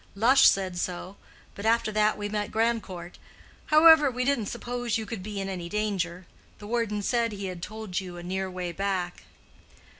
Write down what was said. Lush said so. But after that we met Grandcourt. However, we didn't suppose you could be in any danger. The warden said he had told you a near way back."